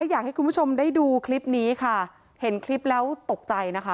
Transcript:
อยากให้คุณผู้ชมได้ดูคลิปนี้ค่ะเห็นคลิปแล้วตกใจนะคะ